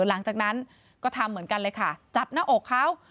หลังจากนั้นก็ทำเหมือนกันเลยค่ะจับหน้าอกเขา